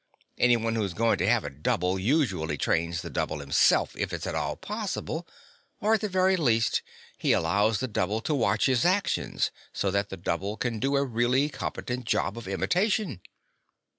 Anyone who's going to have a double usually trains the double himself, if it's at all possible. Or, at the very least, he allows the double to watch his actions, so that the double can do a really competent job of imitation.